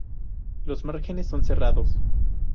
Los márgenes son serrados.